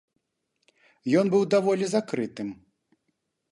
Ён быў даволі закрытым.